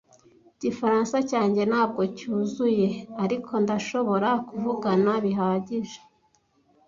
Igifaransa cyanjye ntabwo cyuzuye, ariko ndashobora kuvugana bihagije.